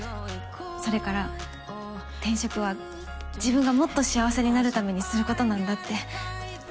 それから転職は自分がもっと幸せになるためにすることなんだって。